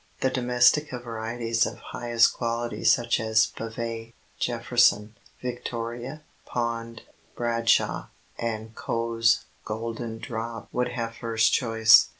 The Domestica varieties of highest quality such as Bavay, Jefferson, Victoria, Pond, Bradshaw, and Coe's Golden Drop would have first choice.